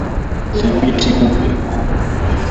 Dhibiti kupe